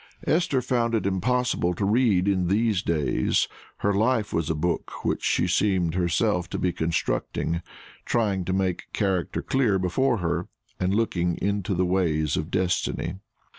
Esther found it impossible to read in these days; her life was a book which she seemed herself to be constructing trying to make character clear before her, and looking into the ways of destiny.